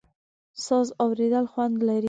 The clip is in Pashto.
ساز اورېدل خوند لري.